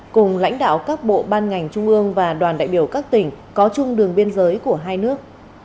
cùng lãnh đạo các bộ ban ngành trung ương và đoàn đại biểu các tỉnh có chung đường biên giới của hai nước